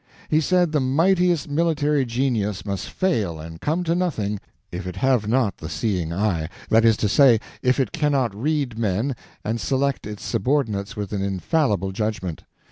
He said the mightiest military genius must fail and come to nothing if it have not the seeing eye—that is to say, if it cannot read men and select its subordinates with an infallible judgment.